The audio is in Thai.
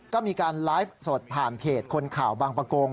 ก็มีการไลฟ์สดผ่านเพจคนข่าวบางประกง